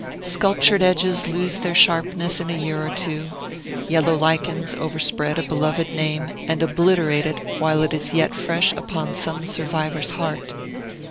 Sculptured edges loose their sharpness in a year or two; yellow lichens overspread a beloved name, and obliterate it while it is yet fresh upon some survivor's heart.